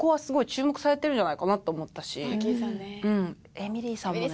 エミリーさんもね。